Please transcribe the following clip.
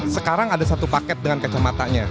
sekarang ada satu paket dengan kacamatanya